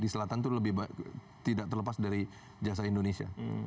di selatan itu lebih tidak terlepas dari jasa indonesia